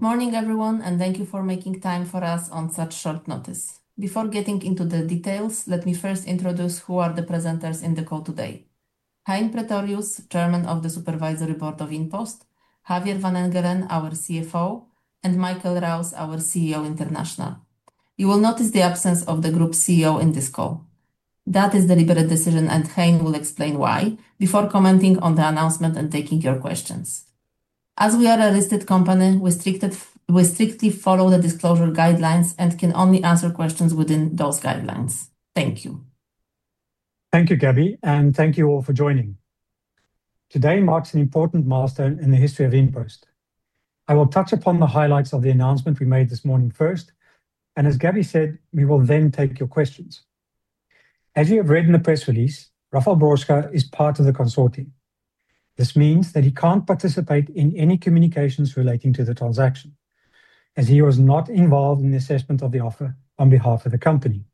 Good morning, everyone, and thank you for making time for us on such short notice. Before getting into the details, let me first introduce who are the presenters in the call today: Hein Pretorius, Chairman of the Supervisory Board of InPost; Javier van Engelen, our CFO; and Michael Rouse, our CEO International. You will notice the absence of the Group CEO in this call. That is a deliberate decision, and Hein will explain why before commenting on the announcement and taking your questions. As we are a listed company, we strictly follow the disclosure guidelines and can only answer questions within those guidelines. Thank you. Thank you, Gabi, and thank you all for joining. Today marks an important milestone in the history of InPost. I will touch upon the highlights of the announcement we made this morning first, and as Gabi said, we will then take your questions. As you have read in the press release, Rafał Brzoska is part of the consortium. This means that he can't participate in any communications relating to the transaction, as he was not involved in the assessment of the offer on behalf of the company.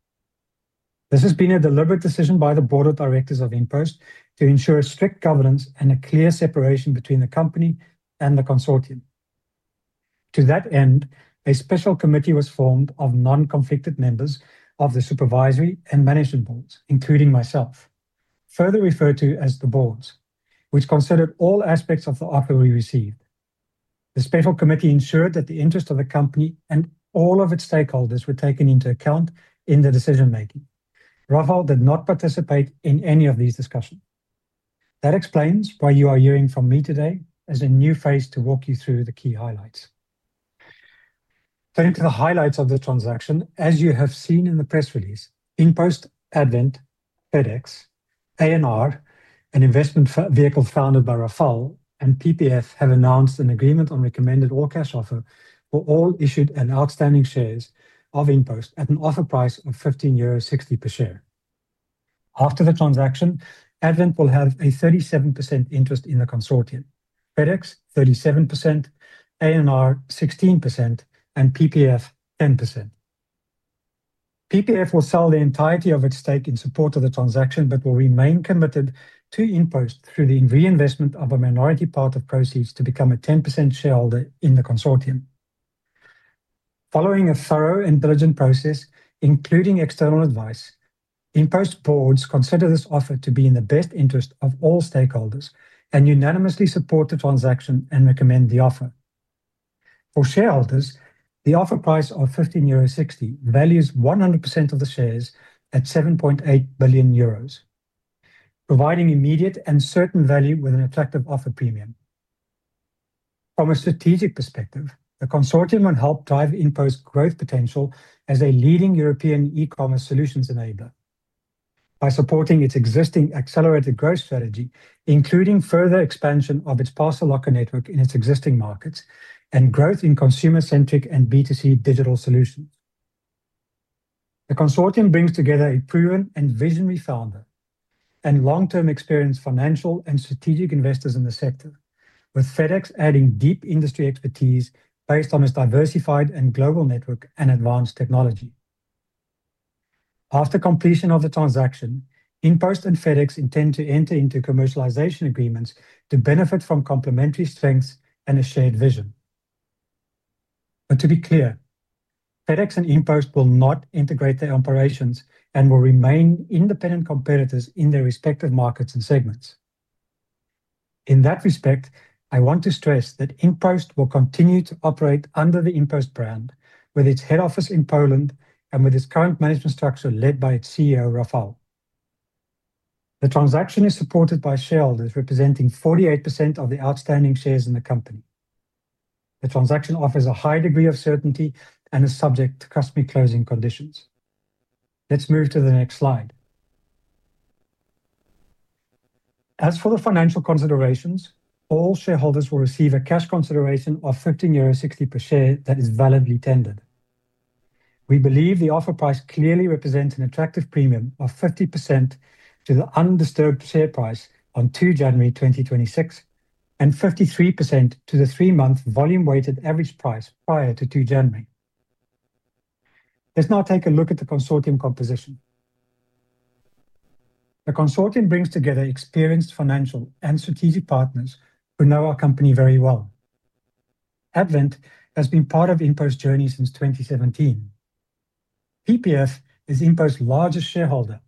This has been a deliberate decision by the Board of Directors of InPost to ensure strict governance and a clear separation between the company and the consortium. To that end, a special committee was formed of non-conflicted members of the Supervisory and Management Boards, including myself, further referred to as the boards, which considered all aspects of the offer we received. The special committee ensured that the interests of the company and all of its stakeholders were taken into account in the decision-making. Rafał did not participate in any of these discussions. That explains why you are hearing from me today as a new phase to walk you through the key highlights. Turning to the highlights of the transaction, as you have seen in the press release, InPost, Advent, FedEx, A&R, an investment vehicle founded by Rafał, and PPF have announced an agreement on recommended all-cash offer for all issued and outstanding shares of InPost at an offer price of 15.60 euros per share. After the transaction, Advent will have a 37% interest in the consortium: FedEx 37%, A&R 16%, and PPF 10%. PPF will sell the entirety of its stake in support of the transaction but will remain committed to InPost through the reinvestment of a minority part of proceeds to become a 10% shareholder in the consortium. Following a thorough and diligent process, including external advice, InPost boards consider this offer to be in the best interest of all stakeholders and unanimously support the transaction and recommend the offer. For shareholders, the offer price of 15.60 euro values 100% of the shares at 7.8 billion euros, providing immediate and certain value with an attractive offer premium. From a strategic perspective, the consortium will help drive InPost's growth potential as a leading European e-commerce solutions enabler by supporting its existing accelerated growth strategy, including further expansion of its parcel locker network in its existing markets and growth in consumer-centric and B2C digital solutions. The consortium brings together a proven and visionary founder and long-term experienced financial and strategic investors in the sector, with FedEx adding deep industry expertise based on its diversified and global network and advanced technology. After completion of the transaction, InPost and FedEx intend to enter into commercialization agreements to benefit from complementary strengths and a shared vision. But to be clear, FedEx and InPost will not integrate their operations and will remain independent competitors in their respective markets and segments. In that respect, I want to stress that InPost will continue to operate under the InPost brand, with its head office in Poland and with its current management structure led by its CEO, Rafał. The transaction is supported by shareholders representing 48% of the outstanding shares in the company. The transaction offers a high degree of certainty and is subject to customary closing conditions. Let's move to the next slide. As for the financial considerations, all shareholders will receive a cash consideration of 15.60 euros per share that is validly tendered. We believe the offer price clearly represents an attractive premium of 50% to the undisturbed share price on 02/01/2026 and 53% to the three-month volume-weighted average price prior to 02/01. Let's now take a look at the consortium composition. The consortium brings together experienced financial and strategic partners who know our company very well. Advent has been part of InPost's journey since 2017. PPF is InPost's largest shareholder,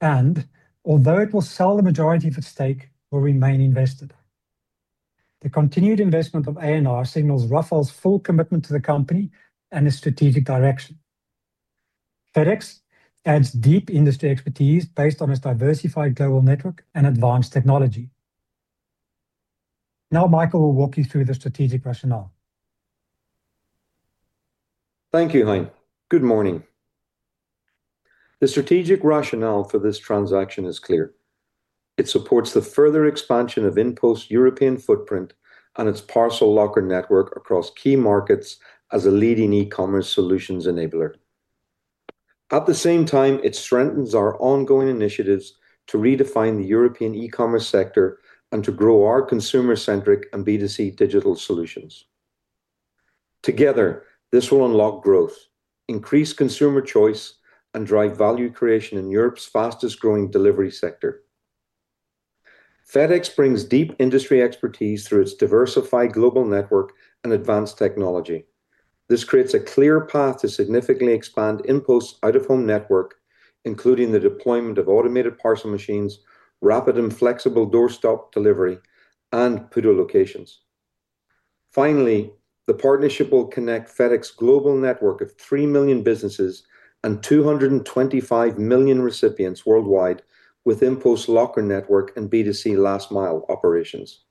and although it will sell the majority of its stake, will remain invested. The continued investment of A&R signals Rafał's full commitment to the company and his strategic direction. FedEx adds deep industry expertise based on its diversified global network and advanced technology. Now, Michael will walk you through the strategic rationale. Thank you, Hein. Good morning. The strategic rationale for this transaction is clear. It supports the further expansion of InPost's European footprint and its parcel locker network across key markets as a leading e-commerce solutions enabler. At the same time, it strengthens our ongoing initiatives to redefine the European e-commerce sector and to grow our consumer-centric and B2C digital solutions. Together, this will unlock growth, increase consumer choice, and drive value creation in Europe's fastest-growing delivery sector. FedEx brings deep industry expertise through its diversified global network and advanced technology. This creates a clear path to significantly expand InPost's out-of-home network, including the deployment of automated parcel machines, rapid and flexible doorstop delivery, and PUDO locations. Finally, the partnership will connect FedEx's global network of 3 million businesses and 225 million recipients worldwide with InPost's locker network and B2C last-mile operations.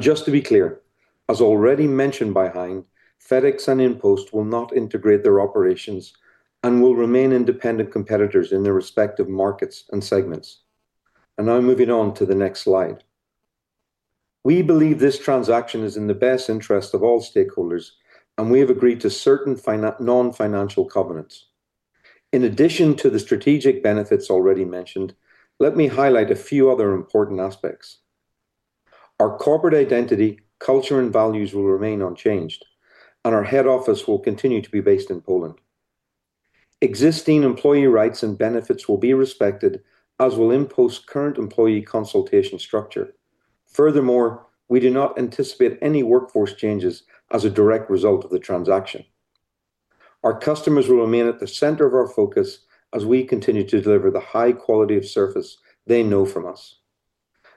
Just to be clear, as already mentioned by Hein, FedEx and InPost will not integrate their operations and will remain independent competitors in their respective markets and segments. Now moving on to the next slide. We believe this transaction is in the best interest of all stakeholders, and we have agreed to certain non-financial covenants. In addition to the strategic benefits already mentioned, let me highlight a few other important aspects. Our corporate identity, culture, and values will remain unchanged, and our head office will continue to be based in Poland. Existing employee rights and benefits will be respected, as will InPost's current employee consultation structure. Furthermore, we do not anticipate any workforce changes as a direct result of the transaction. Our customers will remain at the center of our focus as we continue to deliver the high quality of service they know from us.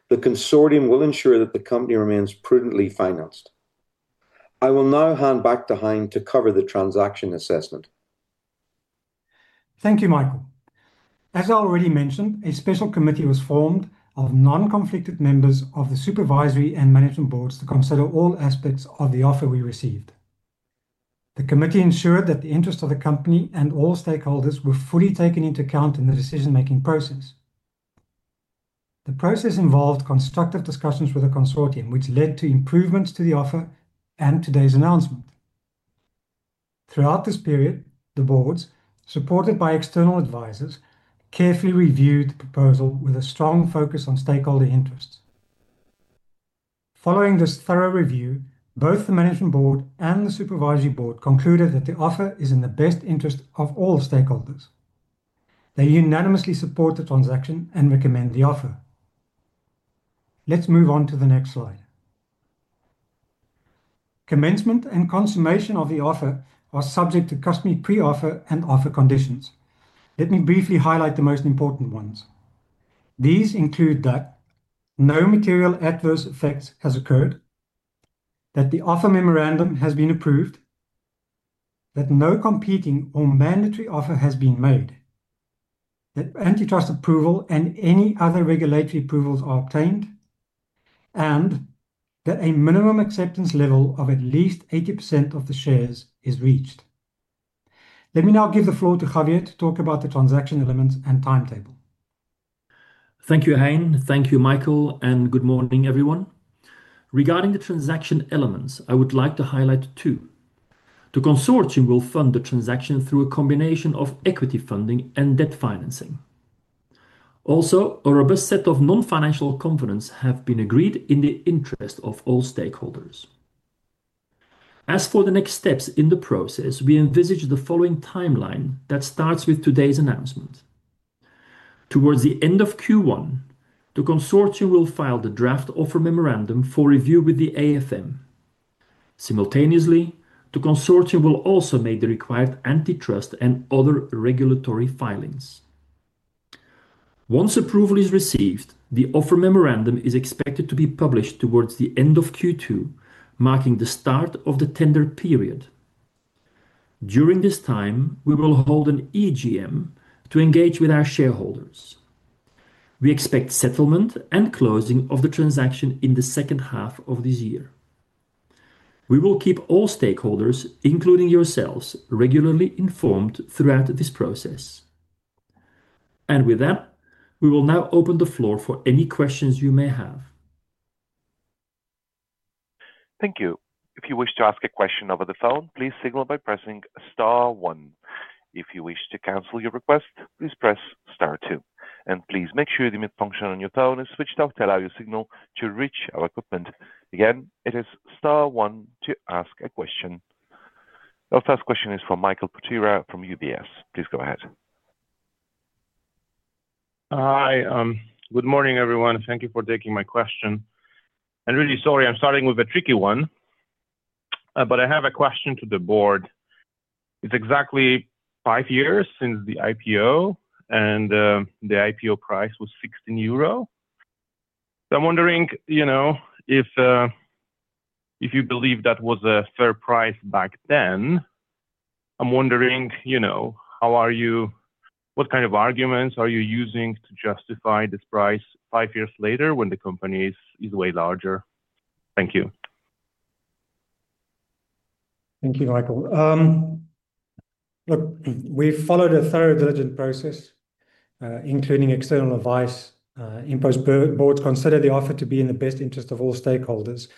The consortium will ensure that the company remains prudently financed. I will now hand back to Hein to cover the transaction assessment. Thank you, Michael. As I already mentioned, a special committee was formed of non-conflicted members of the Supervisory and Management Boards to consider all aspects of the offer we received. The committee ensured that the interests of the company and all stakeholders were fully taken into account in the decision-making process. The process involved constructive discussions with the consortium, which led to improvements to the offer and today's announcement. Throughout this period, the boards, supported by external advisors, carefully reviewed the proposal with a strong focus on stakeholder interests. Following this thorough review, both the Management Board and the Supervisory Board concluded that the offer is in the best interest of all stakeholders. They unanimously support the transaction and recommend the offer. Let's move on to the next slide. Commencement and consummation of the offer are subject to customary pre-offer and offer conditions. Let me briefly highlight the most important ones. These include that no material adverse effects have occurred, that the Offer Memorandum has been approved, that no competing or mandatory offer has been made, that antitrust approval and any other regulatory approvals are obtained, and that a minimum acceptance level of at least 80% of the shares is reached. Let me now give the floor to Javier to talk about the transaction elements and timetable. Thank you, Hein. Thank you, Michael, and good morning, everyone. Regarding the transaction elements, I would like to highlight two. The consortium will fund the transaction through a combination of equity funding and debt financing. Also, a robust set of non-financial covenants has been agreed in the interest of all stakeholders. As for the next steps in the process, we envisage the following timeline that starts with today's announcement. Towards the end of Q1, the consortium will file the draft Offer Memorandum for review with the AFM. Simultaneously, the consortium will also make the required antitrust and other regulatory filings. Once approval is received, the Offer Memorandum is expected to be published towards the end of Q2, marking the start of the tender period. During this time, we will hold an EGM to engage with our shareholders. We expect settlement and closing of the transaction in the second half of this year. We will keep all stakeholders, including yourselves, regularly informed throughout this process. With that, we will now open the floor for any questions you may have. Thank you. If you wish to ask a question over the phone, please signal by pressing star one. If you wish to cancel your request, please press star two. Please make sure the mute function on your phone is switched off to allow you signal to reach our equipment. Again, it is star one to ask a question. Our first question is from Michał Potyra from UBS. Please go ahead. Hi. Good morning, everyone. Thank you for taking my question. Really, sorry, I'm starting with a tricky one, but I have a question to the board. It's exactly five years since the IPO, and the IPO price was 16 euro. So I'm wondering if you believe that was a fair price back then. I'm wondering, how are you, what kind of arguments are you using to justify this price five years later when the company is way larger? Thank you. Thank you, Michał. Look, we followed a thorough, diligent process, including external advice. InPost boards consider the offer to be in the best interest of all stakeholders,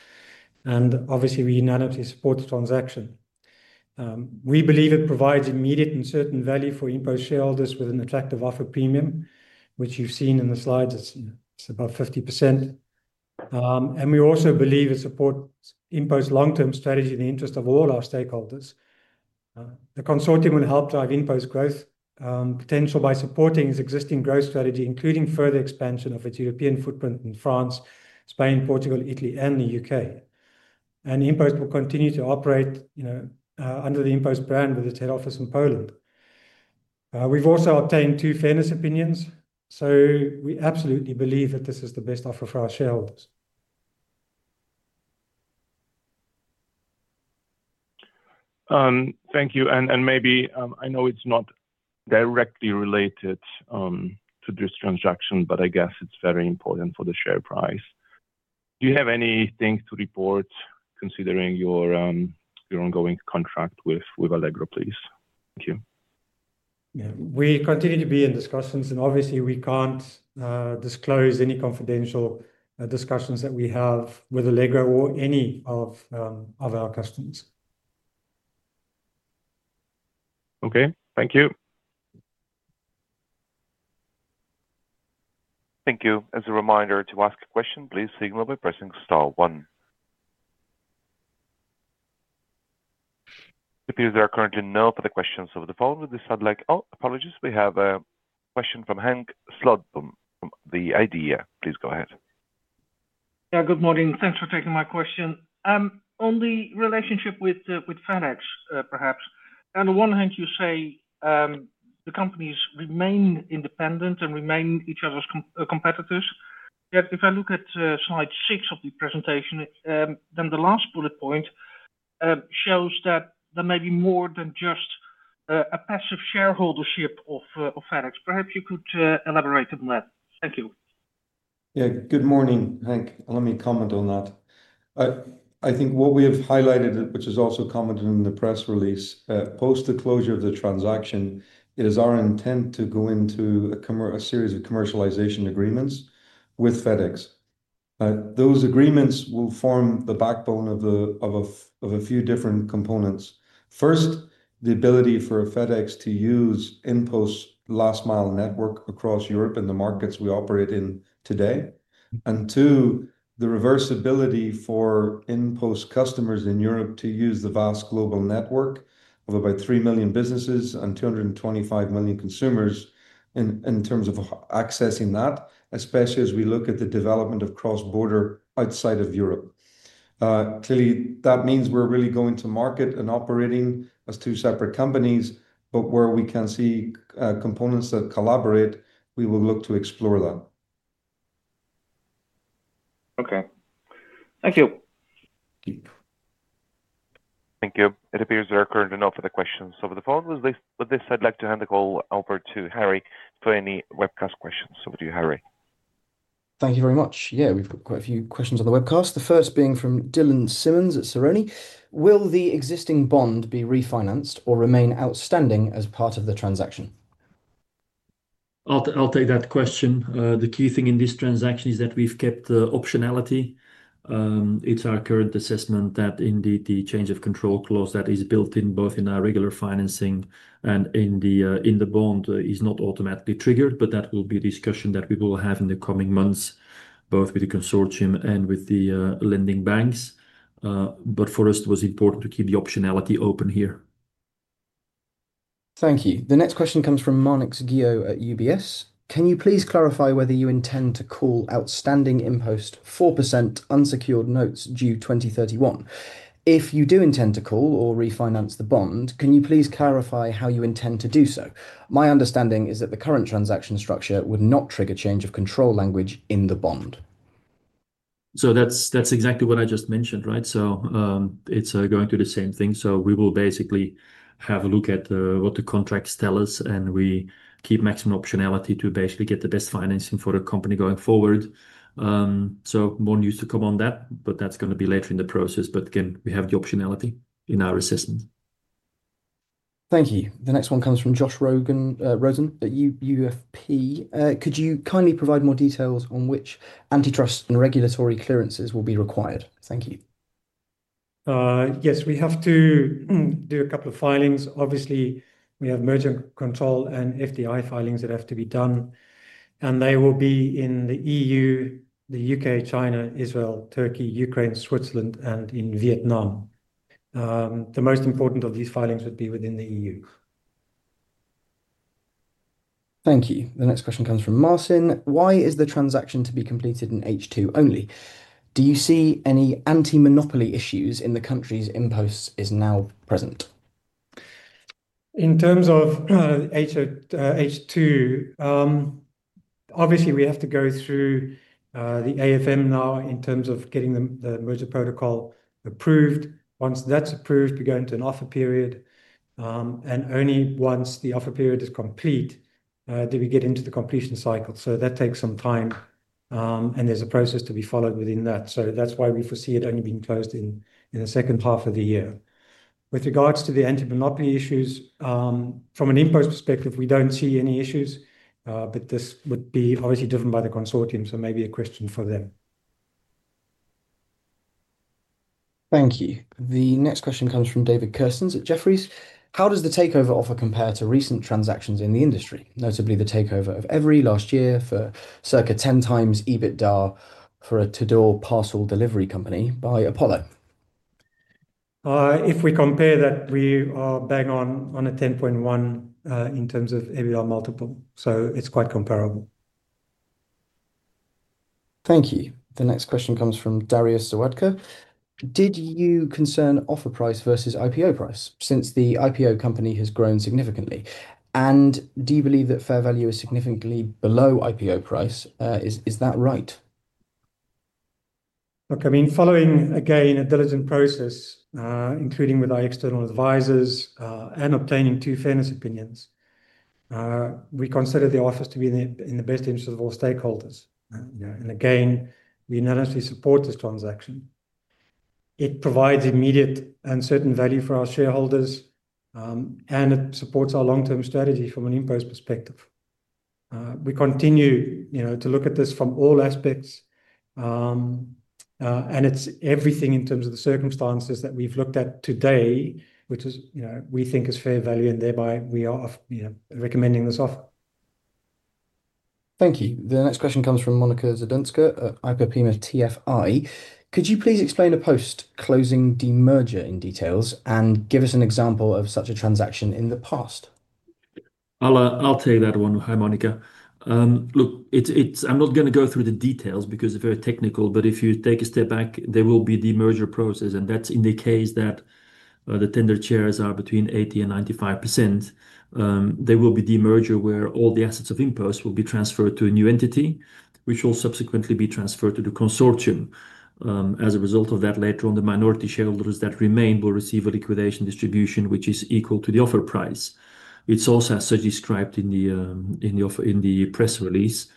and obviously, we unanimously support the transaction. We believe it provides immediate and certain value for InPost shareholders with an attractive offer premium, which you've seen in the slides. It's about 50%. We also believe it supports InPost's long-term strategy in the interest of all our stakeholders. The consortium will help drive InPost's growth potential by supporting its existing growth strategy, including further expansion of its European footprint in France, Spain, Portugal, Italy, and the U.K. InPost will continue to operate under the InPost brand with its head office in Poland. We've also obtained two Fairness Opinions, so we absolutely believe that this is the best offer for our shareholders. Thank you. And maybe I know it's not directly related to this transaction, but I guess it's very important for the share price. Do you have anything to report considering your ongoing contract with Allegro, please? Thank you. Yeah. We continue to be in discussions, and obviously, we can't disclose any confidential discussions that we have with Allegro or any of our customers. Okay. Thank you. Thank you. As a reminder, to ask a question, please signal by pressing star one. It appears there are currently no further questions over the phone. With this I'd like, oh, apologies. We have a question from Henk Slotboom from the IDEA!. Please go ahead. Yeah. Good morning. Thanks for taking my question. On the relationship with FedEx, perhaps. On the one hand, you say the companies remain independent and remain each other's competitors. Yet, if I look at slide 6 of the presentation, then the last bullet point shows that there may be more than just a passive shareholdership of FedEx. Perhaps you could elaborate on that. Thank you. Yeah. Good morning, Henk. Let me comment on that. I think what we have highlighted, which is also commented in the press release, post the closure of the transaction, it is our intent to go into a series of commercialization agreements with FedEx. Those agreements will form the backbone of a few different components. First, the ability for FedEx to use InPost's last-mile network across Europe and the markets we operate in today. And two, the reversibility for InPost customers in Europe to use the vast global network of about 3 million businesses and 225 million consumers in terms of accessing that, especially as we look at the development of cross-border outside of Europe. Clearly, that means we're really going to market and operating as two separate companies, but where we can see components that collaborate, we will look to explore that. Okay. Thank you. Thank you. It appears there are currently no further questions over the phone. With this, I'd like to hand the call over to Harry for any webcast questions. Over to you, Harry. Thank you very much. Yeah, we've got quite a few questions on the webcast, the first being from Dylan Simmons at Serone. Will the existing bond be refinanced or remain outstanding as part of the transaction? I'll take that question. The key thing in this transaction is that we've kept the optionality. It's our current assessment that, indeed, the change of control clause that is built in both in our regular financing and in the bond is not automatically triggered, but that will be a discussion that we will have in the coming months, both with the consortium and with the lending banks. But for us, it was important to keep the optionality open here. Thank you. The next question comes from Marnix Guillot at UBS. Can you please clarify whether you intend to call outstanding InPost 4% Unsecured Notes due 2031? If you do intend to call or refinance the bond, can you please clarify how you intend to do so? My understanding is that the current transaction structure would not trigger Change of Control language in the bond. So that's exactly what I just mentioned, right? So it's going to be the same thing. So we will basically have a look at what the contracts tell us, and we keep maximum optionality to basically get the best financing for the company going forward. So more news to come on that, but that's going to be later in the process. But again, we have the optionality in our assessment. Thank you. The next one comes from Josh Rosen at UFP. Could you kindly provide more details on which antitrust and regulatory clearances will be required? Thank you. Yes. We have to do a couple of filings. Obviously, we have merger control and FDI filings that have to be done, and they will be in the EU, the U.K., China, Israel, Turkey, Ukraine, Switzerland, and in Vietnam. The most important of these filings would be within the EU. Thank you. The next question comes from Marcin. Why is the transaction to be completed in H2 only? Do you see any anti-monopoly issues in the countries InPost is now present? In terms of H2, obviously, we have to go through the AFM now in terms of getting the Merger Protocol approved. Once that's approved, we go into an offer period. Only once the offer period is complete, do we get into the completion cycle. So that takes some time, and there's a process to be followed within that. So that's why we foresee it only being closed in the second half of the year. With regards to the anti-monopoly issues, from an InPost perspective, we don't see any issues, but this would be obviously different by the consortium, so maybe a question for them. Thank you. The next question comes from David Kerstens at Jefferies. How does the takeover offer compare to recent transactions in the industry, notably the takeover of Evri last year for circa 10x EBITDA for a door-to-door parcel delivery company by Apollo? If we compare that, we are bang on a 10.1x EBITDA multiple. So it's quite comparable. Thank you. The next question comes from Daria Zawadzka. Did you consider offer price versus IPO price since the IPO company has grown significantly? And do you believe that fair value is significantly below IPO price? Is that right? Look, I mean, following, again, a diligent process, including with our external advisors and obtaining two Fairness Opinions, we consider the offers to be in the best interest of all stakeholders. And again, we unanimously support this transaction. It provides immediate and certain value for our shareholders, and it supports our long-term strategy from an InPost perspective. We continue to look at this from all aspects, and it's everything in terms of the circumstances that we've looked at today, which we think is fair value, and thereby we are recommending this offer. Thank you. The next question comes from Monika Zduńska at IPOPEMA TFI. Could you please explain a post-closing demerger in detail and give us an example of such a transaction in the past? I'll take that one. Hi, Monika. Look, I'm not going to go through the details because they're very technical, but if you take a step back, there will be a demerger process. That's in the case that the tender shares are between 80%-95%. There will be a demerger where all the assets of InPost will be transferred to a new entity, which will subsequently be transferred to the consortium. As a result of that, later on, the minority shareholders that remain will receive a liquidation distribution, which is equal to the offer price. It's also as described in the press release.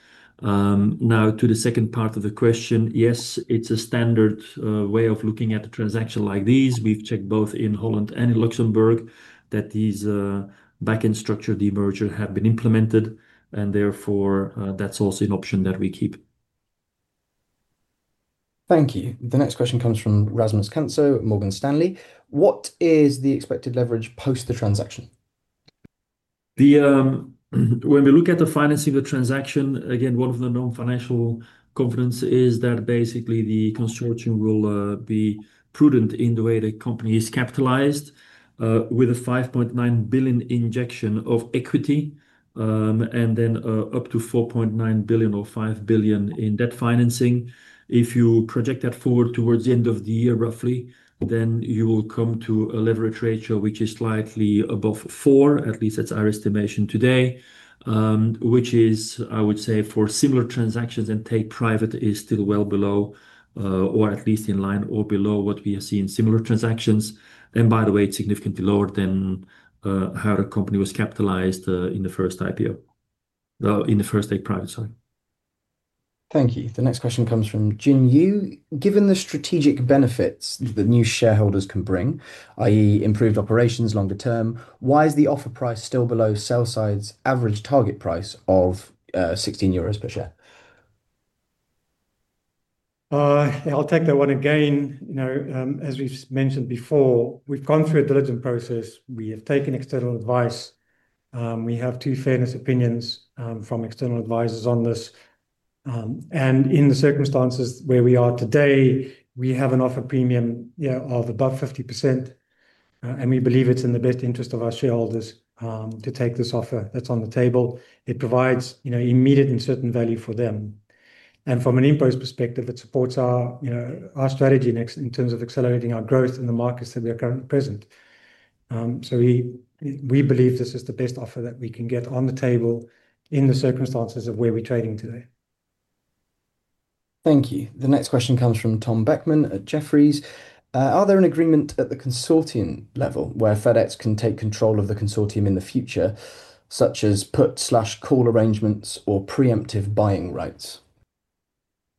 Now, to the second part of the question, yes, it's a standard way of looking at a transaction like these. We've checked both in Holland and in Luxembourg that these backend structure demergers have been implemented, and therefore, that's also an option that we keep. Thank you. The next question comes from Rasmus Kantsø at Morgan Stanley. What is the expected leverage post the transaction? When we look at the financing of the transaction, again, one of the known financial confidence is that basically the consortium will be prudent in the way the company is capitalised, with a 5.9 billion injection of equity and then up to 4.9 billion or 5 billion in debt financing. If you project that forward towards the end of the year, roughly, then you will come to a leverage ratio which is slightly above 4x. At least, that's our estimation today, which is, I would say, for similar transactions and take private, is still well below, or at least in line, or below what we have seen in similar transactions. And by the way, it's significantly lower than how the company was capitalised in the first IPO in the first take private, sorry. Thank you. The next question comes from Jin Yu. Given the strategic benefits the new shareholders can bring, i.e., improved operations longer term, why is the offer price still below sell side's average target price of 16 euros per share? Yeah, I'll take that one again. As we've mentioned before, we've gone through a diligent process. We have taken external advice. We have two Fairness Opinions from external advisors on this. And in the circumstances where we are today, we have an offer premium of above 50%, and we believe it's in the best interest of our shareholders to take this offer that's on the table. It provides immediate and certain value for them. And from an InPost perspective, it supports our strategy in terms of accelerating our growth in the markets that we are currently present. So we believe this is the best offer that we can get on the table in the circumstances of where we're trading today. Thank you. The next question comes from Tom Beckmann at Jefferies. Are there an agreement at the consortium level where FedEx can take control of the consortium in the future, such as put/call arrangements or preemptive buying rights?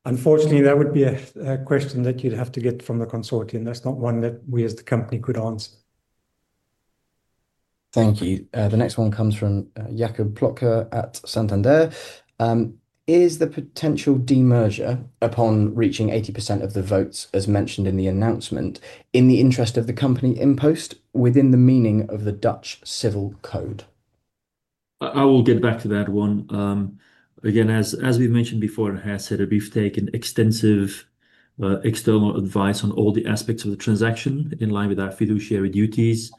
Unfortunately, that would be a question that you'd have to get from the consortium. That's not one that we, as the company, could answer. Thank you. The next one comes from Jakub Pycior at Santander. Is the potential demerger, upon reaching 80% of the votes as mentioned in the announcement, in the interest of the company InPost within the meaning of the Dutch civil code? I will get back to that one. Again, as we've mentioned before and have said, we've taken extensive external advice on all the aspects of the transaction in line with our fiduciary duties.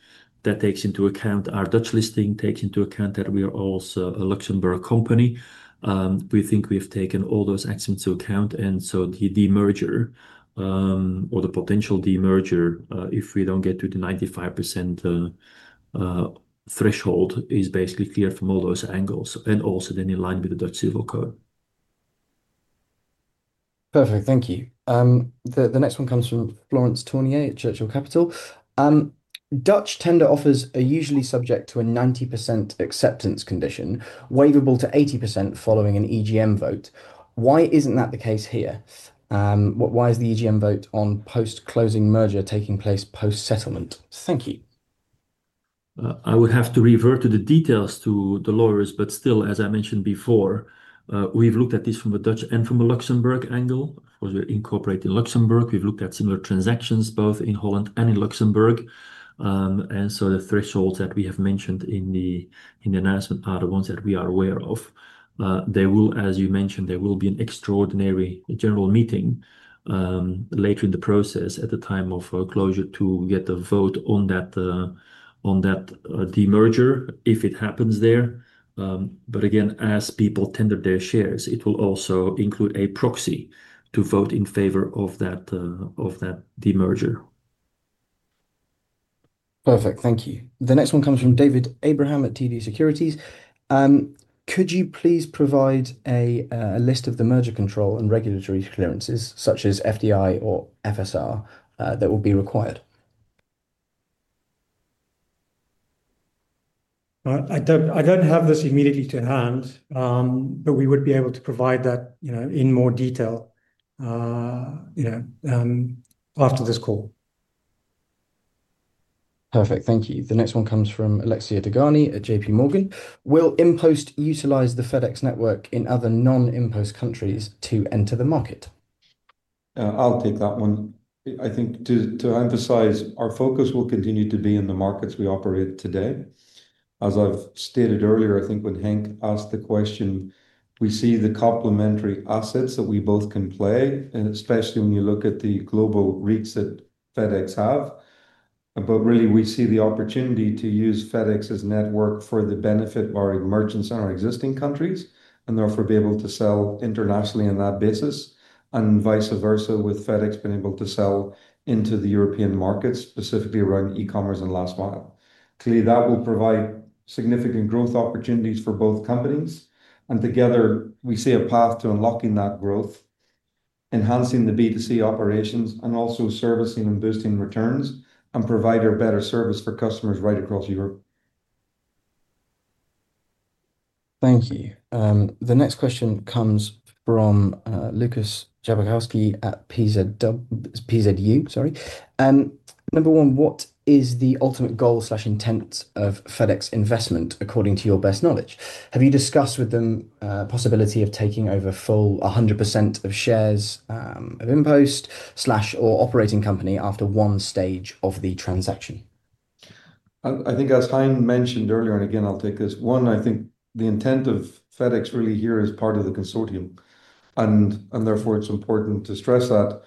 That takes into account our Dutch listing, takes into account that we are also a Luxembourg company. We think we have taken all those aspects into account. And so the demerger, or the potential demerger, if we don't get to the 95% threshold, is basically clear from all those angles, and also then in line with the Dutch civil code. Perfect. Thank you. The next one comes from Florence Tournier at Churchill Capital. Dutch tender offers are usually subject to a 90% acceptance condition, waivable to 80% following an EGM vote. Why isn't that the case here? Why is the EGM vote on post-closing merger taking place post-settlement? Thank you. I would have to revert to the details to the lawyers. But still, as I mentioned before, we've looked at this from a Dutch and from a Luxembourg angle. Of course, we're incorporating Luxembourg. We've looked at similar transactions both in Holland and in Luxembourg. And so the thresholds that we have mentioned in the announcement are the ones that we are aware of. As you mentioned, there will be an extraordinary general meeting later in the process at the time of closure to get the vote on that demerger, if it happens there. But again, as people tender their shares, it will also include a proxy to vote in favor of that demerger. Perfect. Thank you. The next one comes from David Abraham at TD Securities. Could you please provide a list of the merger control and regulatory clearances, such as FDI or FSR, that will be required? I don't have this immediately to hand, but we would be able to provide that in more detail after this call. Perfect. Thank you. The next one comes from Alexia Dogani at JPMorgan. Will InPost utilize the FedEx network in other non-InPost countries to enter the market? I'll take that one. I think to emphasize, our focus will continue to be in the markets we operate today. As I've stated earlier, I think when Henk asked the question, we see the complementary assets that we both can play, especially when you look at the global REITs that FedEx have. But really, we see the opportunity to use FedEx's network for the benefit of our merchants in our existing countries, and therefore be able to sell internationally on that basis, and vice versa, with FedEx being able to sell into the European markets, specifically around e-commerce and last mile. Clearly, that will provide significant growth opportunities for both companies. And together, we see a path to unlocking that growth, enhancing the B2C operations, and also servicing and boosting returns, and provide better service for customers right across Europe. Thank you. The next question comes from Łukasz Jakubowski at PZU. Sorry. Number one, what is the ultimate goal/intent of FedEx investment according to your best knowledge? Have you discussed with them the possibility of taking over full 100% of shares of InPost or operating company after one stage of the transaction? I think, as Hein mentioned earlier, and again, I'll take this. One, I think the intent of FedEx really here is part of the consortium, and therefore, it's important to stress that.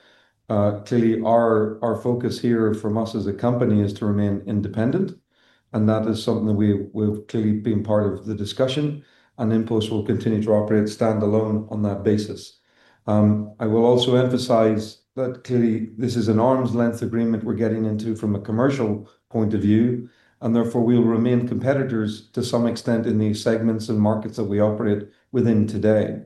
Clearly, our focus here from us as a company is to remain independent, and that is something that we've clearly been part of the discussion. And InPost will continue to operate standalone on that basis. I will also emphasize that clearly, this is an arm's length agreement we're getting into from a commercial point of view, and therefore, we will remain competitors to some extent in these segments and markets that we operate within today.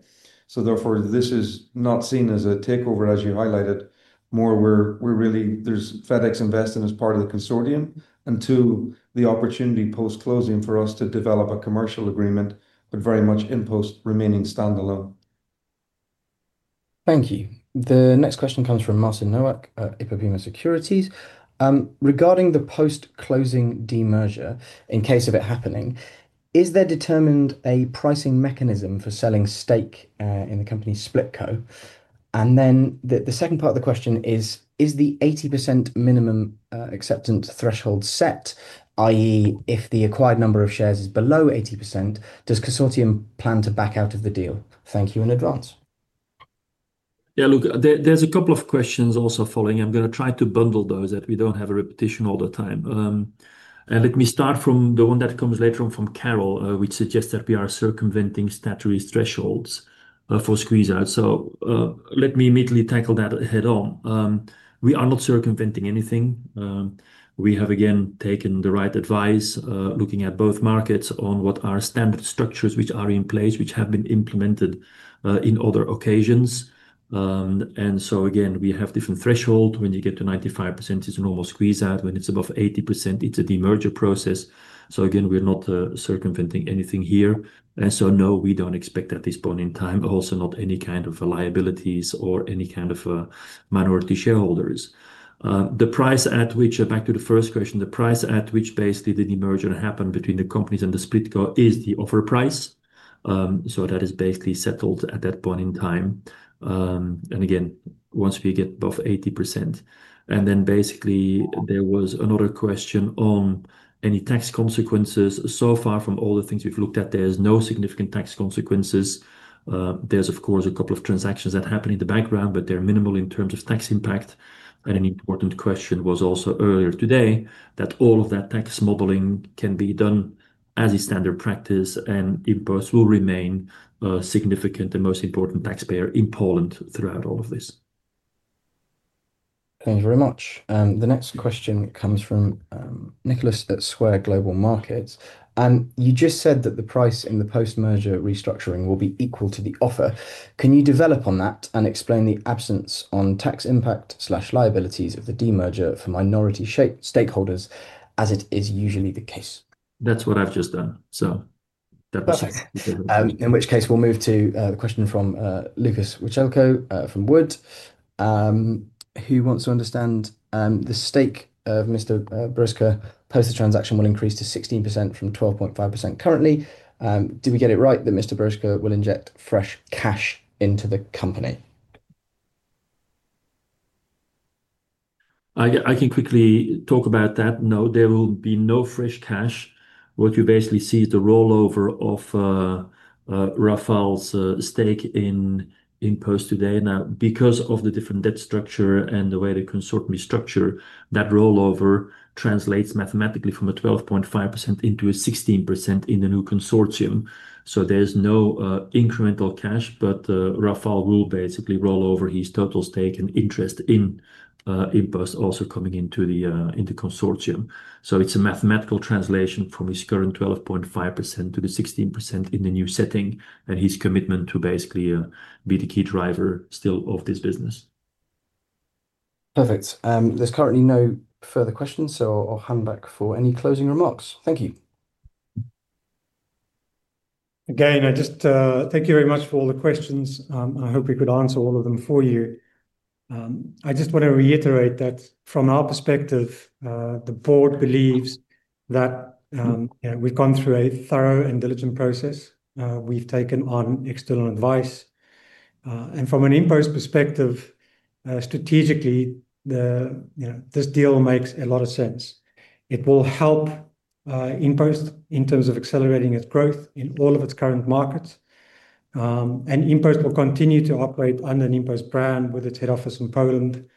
So therefore, this is not seen as a takeover, as you highlighted, more where really FedEx invests in as part of the consortium, and two, the opportunity post-closing for us to develop a commercial agreement, but very much InPost remaining standalone. Thank you. The next question comes from Marcin Nowak at IPOPEMA Securities. Regarding the post-closing demerger, in case of it happening, is there determined a pricing mechanism for selling stake in the company Splitco? And then the second part of the question is, is the 80% minimum acceptance threshold set, i.e., if the acquired number of shares is below 80%, does the consortium plan to back out of the deal? Thank you in advance. Yeah, look, there's a couple of questions also following. I'm going to try to bundle those that we don't have a repetition all the time. And let me start from the one that comes later on from Carol, which suggests that we are circumventing statutory thresholds for squeeze-out. So let me immediately tackle that head-on. We are not circumventing anything. We have, again, taken the right advice, looking at both markets on what our standard structures which are in place, which have been implemented in other occasions. And so again, we have different thresholds. When you get to 95%, it's a normal squeeze-out. When it's above 80%, it's a demerger process. So again, we're not circumventing anything here. And so no, we don't expect at this point in time, also not any kind of liabilities or any kind of minority shareholders. The price at which, back to the first question, the price at which basically the demerger happened between the companies and the Splitco is the offer price. So that is basically settled at that point in time. And again, once we get above 80%. And then basically, there was another question on any tax consequences. So far, from all the things we've looked at, there's no significant tax consequences. There's, of course, a couple of transactions that happen in the background, but they're minimal in terms of tax impact. And an important question was also earlier today that all of that tax modeling can be done as a standard practice, and InPost will remain a significant and most important taxpayer in Poland throughout all of this. Thank you very much. The next question comes from Nicholas at Square Global Markets. You just said that the price in the post-merger restructuring will be equal to the offer. Can you develop on that and explain the absence of tax impact/liabilities of the demerger for minority stakeholders as it is usually the case? That's what I've just done. So that was. Perfect. In which case, we'll move to the question from Łukasz Wachełko from Wood & Company, who wants to understand, "The stake of Mr. Brzoska post the transaction will increase to 16% from 12.5% currently. Do we get it right that Mr. Brzoska will inject fresh cash into the company? I can quickly talk about that. No, there will be no fresh cash. What you basically see is the rollover of Rafał's stake in InPost today. Now, because of the different debt structure and the way the consortium is structured, that rollover translates mathematically from a 12.5% into a 16% in the new consortium. So there's no incremental cash, but Rafał will basically rollover his total stake and interest in InPost also coming into the consortium. So it's a mathematical translation from his current 12.5% to the 16% in the new setting and his commitment to basically be the key driver still of this business. Perfect. There's currently no further questions, so I'll hand back for any closing remarks. Thank you. Again, thank you very much for all the questions. I hope we could answer all of them for you. I just want to reiterate that from our perspective, the board believes that we've gone through a thorough and diligent process. We've taken on external advice. And from an InPost perspective, strategically, this deal makes a lot of sense. It will help InPost in terms of accelerating its growth in all of its current markets. And InPost will continue to operate under an InPost brand with its head office in Poland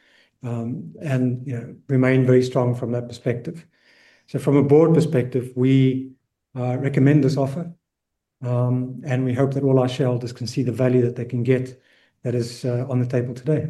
and remain very strong from that perspective. So from a board perspective, we recommend this offer, and we hope that all our shareholders can see the value that they can get that is on the table today.